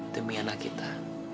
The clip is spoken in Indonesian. demi anak kita